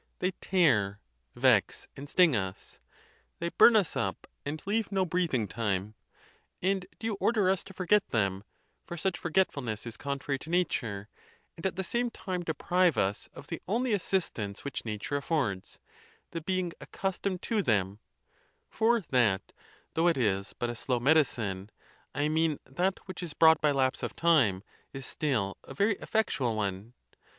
they tear, vex, and sting us —they burn us up, and leave no breathing time. And do you order us to forget them (for such forgetfulness is contrary to nat ure), and at the same time deprive us of the only assist ance which nature affords, the being accustomed to them ? ON GRIEF OF MIND. 107 For that, though it is but a slow medicine (I mean that which is brought by lapse of time), is still a very effectual one.